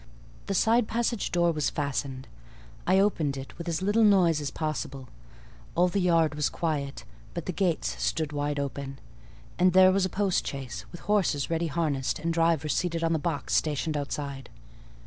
The side passage door was fastened; I opened it with as little noise as possible: all the yard was quiet; but the gates stood wide open, and there was a post chaise, with horses ready harnessed, and driver seated on the box, stationed outside.